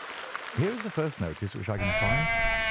"Here is the first notice which I can find.